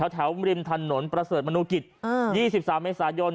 แถวริมถนนประเสริฐมนุกิจ๒๓เมษายน